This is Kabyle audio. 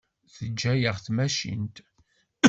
Teǧǧa-yaɣ tmacint.